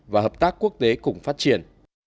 và hợp tác quốc tế cùng phát triển